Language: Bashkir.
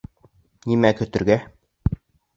Нимә көтөргә?